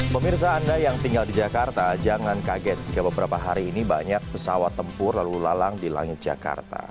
pemirsa anda yang tinggal di jakarta jangan kaget jika beberapa hari ini banyak pesawat tempur lalu lalang di langit jakarta